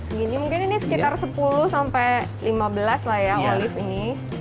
segini mungkin ini sekitar sepuluh sampai lima belas lah ya olive ini